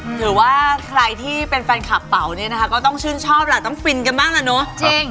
สำคัญธือว่าใครที่เป็นแฟนคลับป๋าวอ่ะก็ต้องชื่นชอบล่ะต้องฟันจำจริง